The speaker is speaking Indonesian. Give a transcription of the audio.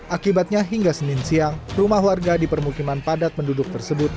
akibatnya hingga senin siang rumah warga di permukiman padat penduduk tersebut